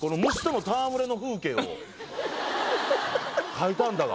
書いたんだが。